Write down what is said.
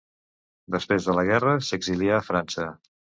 Després de la guerra s'exilià a França.